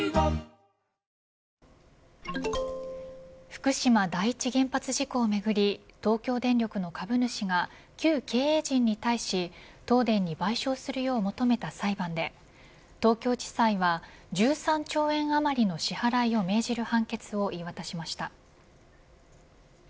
ＪＴ福島第一原事故をめぐり東京電力の株主が旧経営陣に対し東電に賠償するよう求めた裁判で東京地裁は１３兆円余りの支払いを命じる判決を言い渡しました。